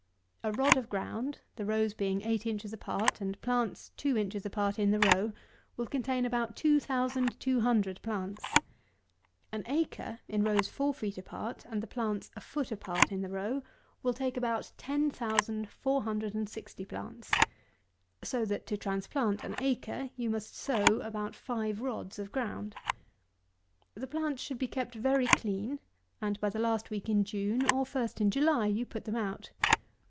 A rod of ground, the rows being eight inches apart, and plants two inches apart in the row, will contain about two thousand two hundred plants. An acre in rows four feet apart and the plants a foot apart in the row, will take about ten thousand four hundred and sixty plants. So that to transplant an acre, you must sow about five rods of ground. The plants should be kept very clean; and, by the last week in June, or first in July, you put them out.